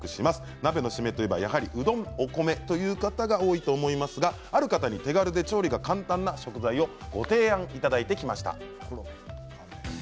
鍋のシメといえばやはりうどん、お米という方多いと思いますがある方に、手軽で調理が簡単な食材をご提案いただきました。